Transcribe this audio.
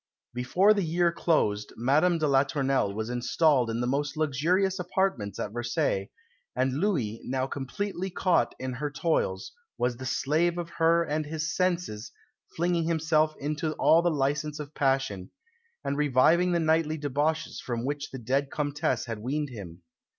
Before the year closed Madame de la Tournelle was installed in the most luxurious apartments at Versailles, and Louis, now completely caught in her toils, was the slave of her and his senses, flinging himself into all the licence of passion, and reviving the nightly debauches from which the dead Comtesse had weaned him.